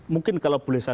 mungkin kalau boleh saya